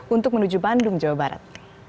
untuk menuju bandung jawa barat